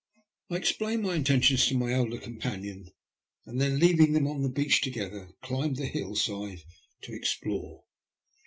I explained my intentions to my elder companion, and then, leaving them on the beach together, climbed the hill side to explore.